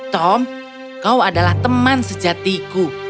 tom kau adalah teman sejatiku